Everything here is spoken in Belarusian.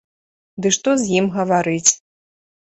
Ды што з ім гаварыць.